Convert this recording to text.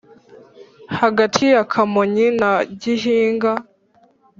hagati ya kamonyi na gihinga.